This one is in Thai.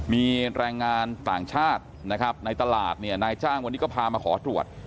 มีแรงงานต่างชาตินะครับในตลาดเนี่ยนายจ้างวันนี้ก็พามาขอตรวจ